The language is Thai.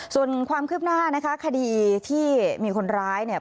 ส่วนความคืบหน้านะคะคดีที่มีคนร้ายเนี่ย